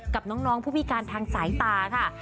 กับน้องผู้พิการทางสายตาค่ะ